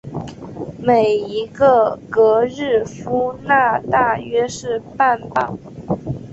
每一个格日夫纳大约是半磅。